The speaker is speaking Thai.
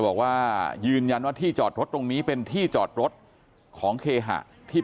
บอกว่ายืนยันว่าที่จอดรถตรงนี้เป็นที่จอดรถของเคหะที่